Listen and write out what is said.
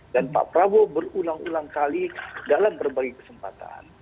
pak prabowo berulang ulang kali dalam berbagai kesempatan